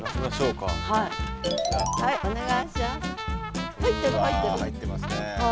うわ入ってますね。